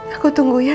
aku tunggu ya